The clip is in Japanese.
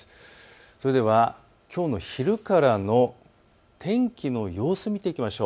それではきょうの昼からの天気の様子、見ていきましょう。